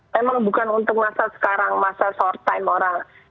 memang bukan untuk masa sekarang masa sorr time orang